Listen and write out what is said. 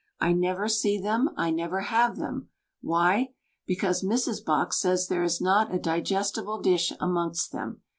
I never see them. I never have them. Why? Because Mrs. Bok says there is not a digestible dish amongst them.